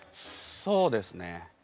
そうですね。